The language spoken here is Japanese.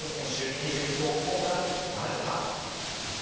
２１号ホームランなるか？